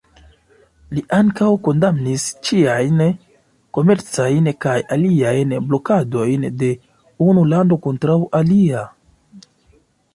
Li ankaŭ kondamnis ĉiajn komercajn kaj aliajn blokadojn de unu lando kontraŭ alia.